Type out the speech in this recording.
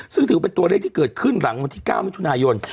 ซึ่งถือว่าเป็นตัวเลขที่เกิดขึ้นหลังวันที่๙มิถุนายน